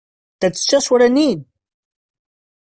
That's just what I need!